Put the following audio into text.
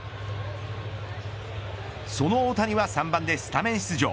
その大谷は３番でスタメン出場。